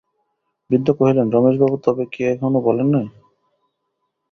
বৃদ্ধ কহিলেন, রমেশবাবু তবে কি এখনো বলেন নাই?